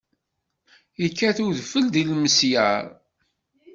Ikkat wedfel d ilmesyar!